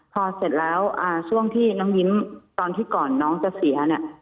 พอเสร็จแล้วช่วงที่น้องยิ้มตอนที่ก่อนน้องจะเสียเนี่ย